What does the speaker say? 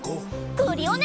クリオネ！